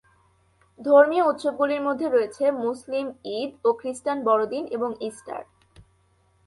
ধর্মীয় উৎসবগুলির মধ্যে রয়েছে মুসলিম ঈদ ও খ্রিস্টান বড়দিন এবং ইস্টার।